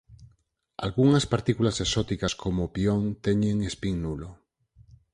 Algunhas partículas exóticas como o pión teñen spin nulo.